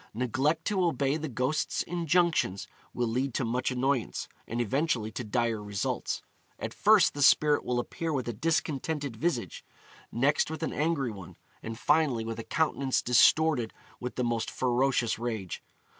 Neglect to obey the ghost's injunctions will lead to much annoyance, and eventually to dire results. At first the spirit will appear with a discontented visage, next with an angry one, and finally with a countenance distorted with the most ferocious rage.